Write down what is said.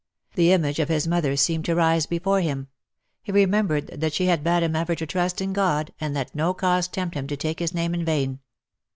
The image of his mother seemed to rise before him — he remembered that she had bade him ever to trust in God, and let no cause tempt him to take his name in vain.